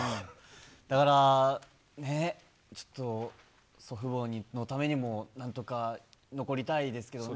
だから、ねぇ、ちょっと、祖父母のためにも、なんとか残りたいですけどね。